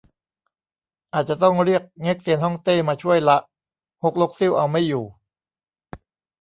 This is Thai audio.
อาจต้องเรียกเง็กเซียนฮ่องเต้มาช่วยละ ฮกลกซิ่วเอาไม่อยู่